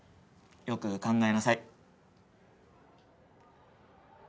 よく考えなさい。